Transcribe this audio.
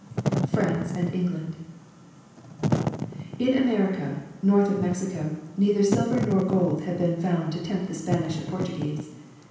France and. England. In America, north of Mexico, neither silver nor gold had been found to tempt the Spanish and Portuguese.